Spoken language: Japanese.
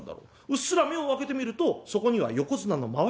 うっすら目を開けてみるとそこには横綱のまわしがある。